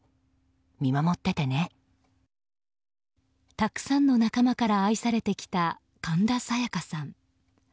たくさんの仲間から愛されてきた神田沙也加さん。